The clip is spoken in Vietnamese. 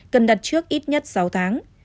cần đặt trước ít nhất sáu tháng